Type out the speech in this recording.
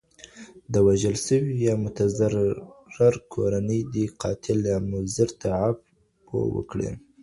د وژل سوي يا متضرر کورنۍ دي قاتل يا مضر ته عفو وکړي